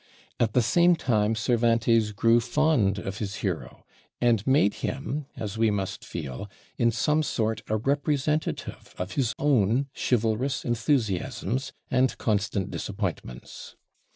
At the same time Cervantes grew fond of his hero, and made him, as we must feel, in some sort a representative of his own chivalrous enthusiasms and constant disappointments.